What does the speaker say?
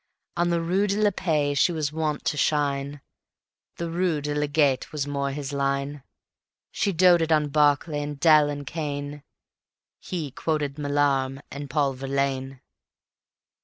On the rue de la Paix she was wont to shine; The rue de la Gaîté was more his line. She doted on Barclay and Dell and Caine; He quoted Mallarmé and Paul Verlaine.